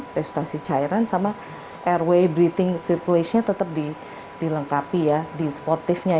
sehingga cairan dan airway breathing circulationnya tetap dilengkapi ya di seportifnya